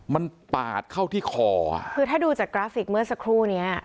มันปาดเข้าที่คอคือถ้าดูจากกราฟิกเมื่อสักครู่เนี้ย